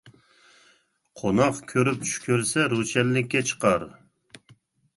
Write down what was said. قوناق كۆرۈپ چۈش كۆرسە روشەنلىككە چىقار.